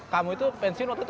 kamu itu pensiun waktu itu